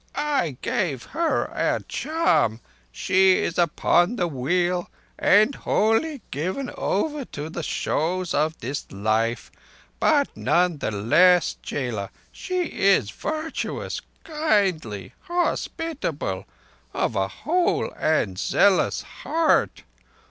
I gave her a charm. She is upon the Wheel and wholly given over to the shows of this life, but none the less, chela, she is virtuous, kindly, hospitable—of a whole and zealous heart.